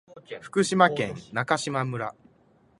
福島県中島村